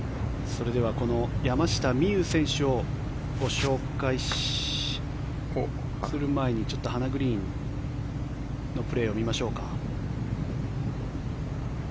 それでは山下美夢有選手をご紹介する前にちょっとハナ・グリーンのプレーを見ましょうか。